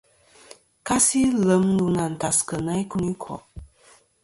Kasi lem ndu nɨ̀ àntas kena ikunikò'.